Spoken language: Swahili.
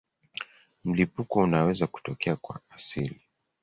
Mlipuko unaweza kutokea kwa asili.